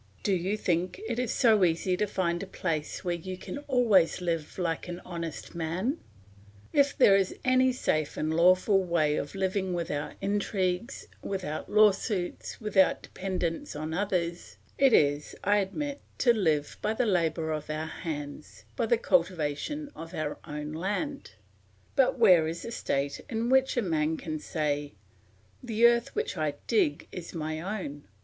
Do you think it is so easy to find a place where you can always live like an honest man? If there is any safe and lawful way of living without intrigues, without lawsuits, without dependence on others, it is, I admit, to live by the labour of our hands, by the cultivation of our own land; but where is the state in which a man can say, 'The earth which I dig is my own?'